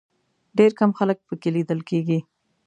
ډېر کم خلک په کې لیدل کېږي.